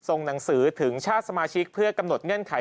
หนังสือถึงชาติสมาชิกเพื่อกำหนดเงื่อนไข